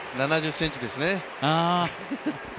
７０ｃｍですね。